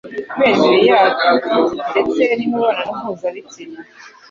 kubera imibiri yacu ndetse n'imibonano mpuzabitsina